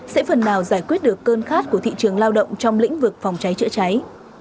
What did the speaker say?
đều biết được cơn khát của thị trường lao động trong lĩnh vực phòng cháy chữa cháy